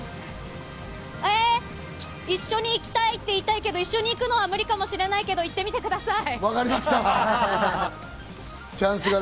一緒に行きたいって言いたいけど、一緒に行くのは無理かもしれないけど、いってみてください。